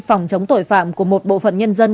phòng chống tội phạm của một bộ phận nhân dân